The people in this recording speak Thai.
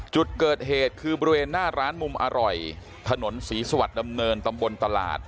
จุดเกิดเหตุคือบริเวณหน้าร้านมุมอร่อยถนนศรีสวัสดิดำเนินตำบลตลาด